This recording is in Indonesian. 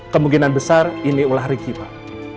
kemungkinan besar ini ulah riki pak